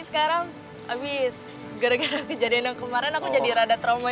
sekarang habis gara gara kejadian yang kemarin aku jadi rada trauma